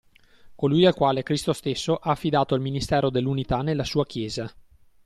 Colui al quale Cristo stesso ha affidato il ministero dell'unità nella sua Chiesa.